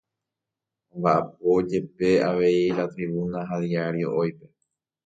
Ombaʼapo jepe avei La Tribuna ha Diario Hoype.